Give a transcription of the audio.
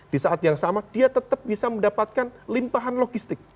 di saat yang sama dia tetap bisa mendapatkan limpahan logistik